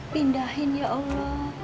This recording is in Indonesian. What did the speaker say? pindahin ya allah